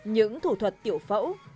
những thủ thuật tiểu phẫu